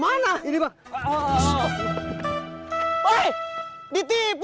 pakai lari lagi capek